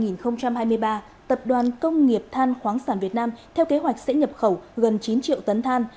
năm hai nghìn hai mươi ba tập đoàn công nghiệp than khoáng sản việt nam theo kế hoạch sẽ nhập khẩu gần chín triệu tấn than